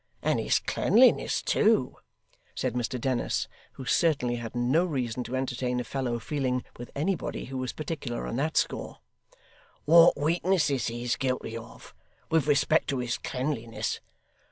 And his cleanliness too!' said Mr Dennis, who certainly had no reason to entertain a fellow feeling with anybody who was particular on that score; 'what weaknesses he's guilty of; with respect to his cleanliness!